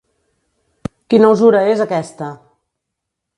Quina usura és aquesta!